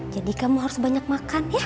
jadi kamu harus banyak makan ya